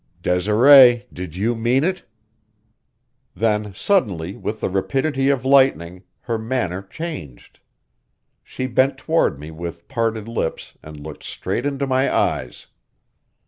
"Desiree, did you mean it?" Then suddenly, with the rapidity of lightning, her manner changed. She bent toward me with parted lips and looked straight into my eyes.